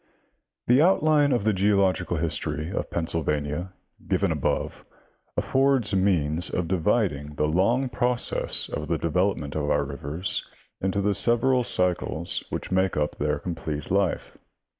— The outline of the geological history of Penn sylvania given above affords means of dividing the long progress of the development of our rivers into the several cycles which make up their complete life.